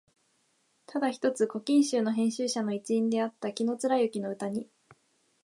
ただ一つ「古今集」の編集者の一員であった紀貫之の歌に、